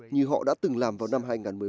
như họ đã từng làm vào năm hai nghìn một mươi bảy